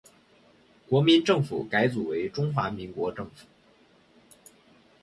国民政府改组为中华民国政府。